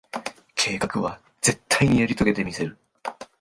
計画は、絶対にやり遂げてみせる。